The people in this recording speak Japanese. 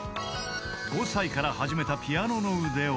［５歳から始めたピアノの腕は］